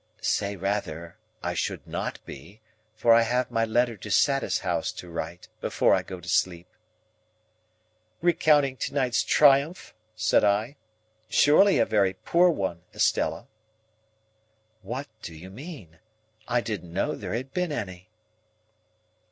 "Say rather, I should not be; for I have my letter to Satis House to write, before I go to sleep." "Recounting to night's triumph?" said I. "Surely a very poor one, Estella." "What do you mean? I didn't know there had been any."